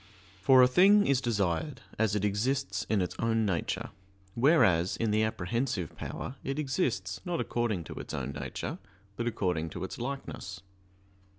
For a thing is desired as it exists in its own nature, whereas in the apprehensive power it exists not according to its own nature, but according to its likeness.